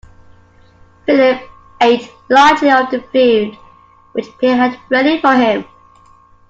Philip ate lightly of the food which Pierre had ready for him.